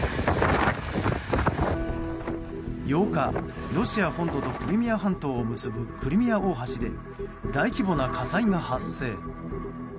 ８日、ロシア本土とクリミア半島を結ぶクリミア大橋で大規模な火災が発生。